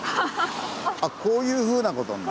あっこういうふうな事になる。